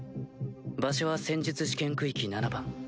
場所は戦術試験区域７番。